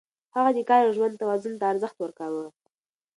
هغه د کار او ژوند توازن ته ارزښت ورکاوه.